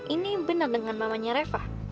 ini bener dengan mamanya reva